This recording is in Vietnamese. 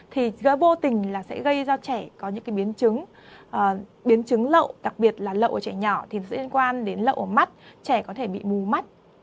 thì gây bô tình là sẽ gây ra trẻ có những biến chứng lậu đặc biệt là lậu của trẻ nhỏ thì sẽ liên quan đến lậu ở mắt trẻ có thể bị mù mắt